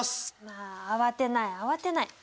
まあ慌てない慌てない。